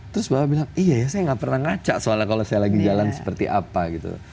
terus bapak bilang iya ya saya gak pernah ngaca soalnya kalau saya lagi jalan seperti apa gitu